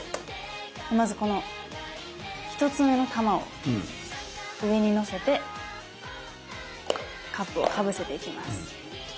まずこの１つ目の玉を上にのせてカップをかぶせていきます。